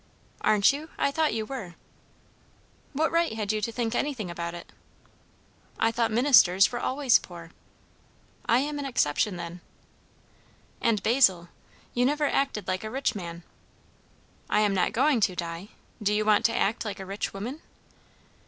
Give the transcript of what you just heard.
"Aren't you? I thought you were." "What right had you to think anything about it?" "I thought ministers were always poor." "I am an exception, then." "And Basil you never acted like a rich man." "I am not going to, Di. Do you want to act like a rich woman?"